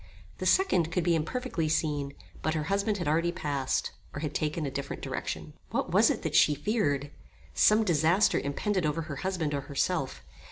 The second could be imperfectly seen; but her husband had already passed, or had taken a different direction. What was it that she feared? Some disaster impended over her husband or herself.